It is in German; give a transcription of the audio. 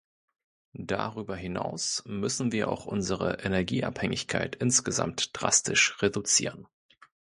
Darüber hinaus müssen wir auch unsere Energieabhängigkeit insgesamt drastisch reduzieren.